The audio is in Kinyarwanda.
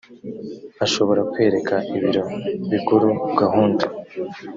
ashobora kwereka ibiro bikuru gahunda